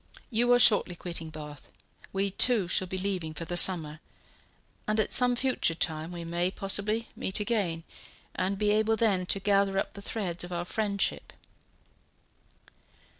You are shortly quitting Bath; we, too, shall be leaving for the summer; and at some future time we may, possibly, meet again, and be able then to gather up the threads of our friendship."